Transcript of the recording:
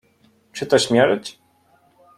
Czy to śmierć?